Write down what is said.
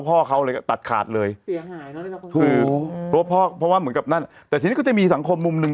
เพราะพ่อเขาเลยตัดขาดเลยเพราะว่าเหมือนกับนั่นแต่จริงก็จะมีสังคมมุมนึง